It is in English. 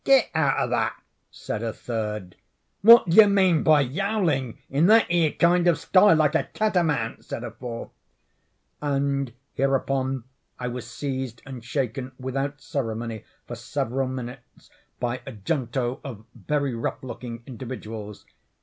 "Get out o' that!" said a third. "What do you mean by yowling in that ere kind of style, like a cattymount?" said a fourth; and hereupon I was seized and shaken without ceremony, for several minutes, by a junto of very rough looking individuals.